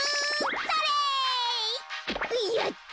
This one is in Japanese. やった。